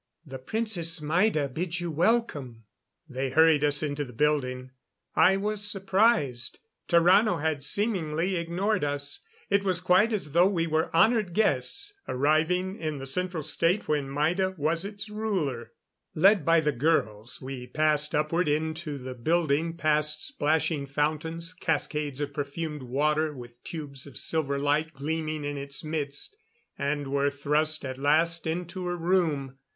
"The Princess Maida bids you welcome." They hurried us into the building. I was surprised. Tarrano had seemingly ignored us. It was quite as though we were honored guests, arriving in the Central State when Maida was its ruler. Led by the girls, we passed upward into the building past splashing fountains, cascades of perfumed water with tubes of silver light gleaming in its midst; and were thrust at last into a room.